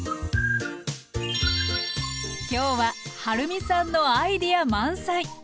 今日ははるみさんのアイデア満載！